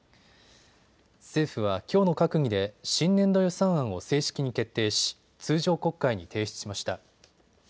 政府はきょうの閣議で新年度予算案を正式に決定し通常国会に提出しました。